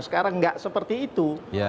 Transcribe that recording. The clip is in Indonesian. sekarang tidak seperti itu